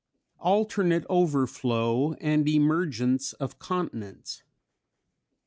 _Alternate Overflow and Emergence of Continents.